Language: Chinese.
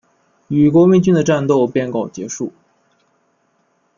与国民军的战斗便告结束。